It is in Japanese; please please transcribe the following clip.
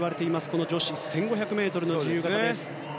この女子１５００ｍ自由形です。